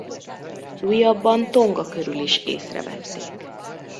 Újabban Tonga körül is észrevették.